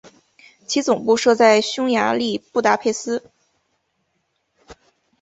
其总部设在匈牙利布达佩斯。